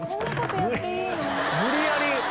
無理やり！